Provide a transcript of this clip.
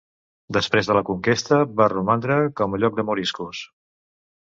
Després de la conquesta, va romandre com a lloc de moriscos.